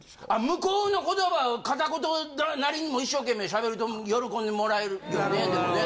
向こうの言葉を片言なりにも一生懸命しゃべると喜んでもらえるよねでもね。